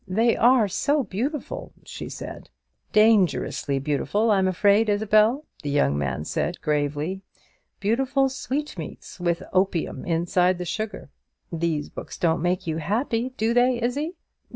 "They are so beautiful!" she said. "Dangerously beautiful, I'm afraid, Isabel," the young man said, gravely; "beautiful sweetmeats, with opium inside the sugar. These books don't make you happy, do they, Izzie?"